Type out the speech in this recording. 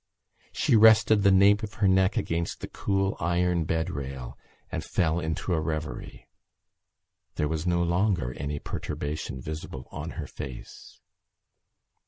She rested the nape of her neck against the cool iron bed rail and fell into a revery. There was no longer any perturbation visible on her face.